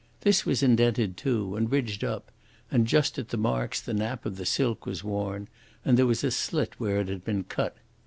This was indented too, and ridged up, and just at the marks the nap of the silk was worn, and there was a slit where it had been cut.